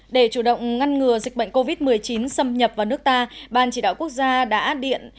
để chủ động ngăn ngừa dịch bệnh covid một mươi chín xâm nhập vào nước ta ban chỉ đạo quốc gia đã điện